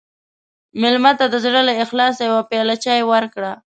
مېلمه ته د زړه له اخلاصه یوه پیاله چای ورکړه.